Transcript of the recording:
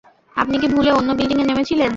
আপনি কি ভুলে অন্য বিল্ডিঙে নেমেছিলেন?